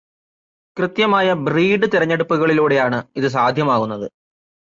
കൃത്യമായ ബ്രീഡ് തിരഞ്ഞെടുപ്പുകളിലൂടെയാണ് ഇത് സാധ്യമാകുന്നത്.